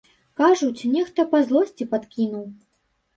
Кажуць, нехта па злосці падкінуў.